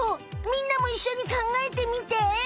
みんなもいっしょにかんがえてみて。